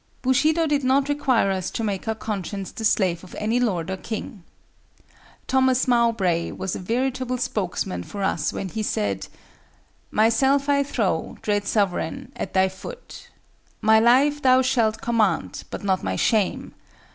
Bushido did not require us to make our conscience the slave of any lord or king. Thomas Mowbray was a veritable spokesman for us when he said: "Myself I throw, dread sovereign, at thy foot. My life thou shalt command, but not my shame.